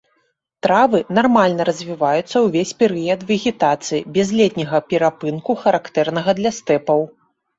Травы нармальна развіваюцца ўвесь перыяд вегетацыі, без летняга перапынку, характэрнага для стэпаў.